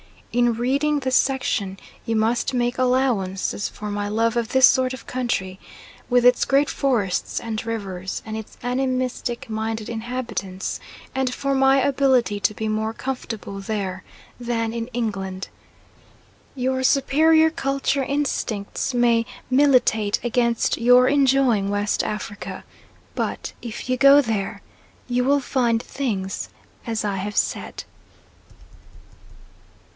In reading this section you must make allowances for my love of this sort of country, with its great forests and rivers and its animistic minded inhabitants, and for my ability to be more comfortable there than in England. Your superior culture instincts may militate against your enjoying West Africa, but if you go there you will find things as I have said.